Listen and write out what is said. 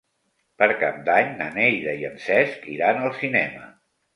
Per Cap d'Any na Neida i en Cesc iran al cinema.